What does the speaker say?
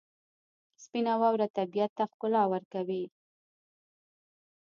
سپینه واوره طبیعت ته ښکلا ورکوي.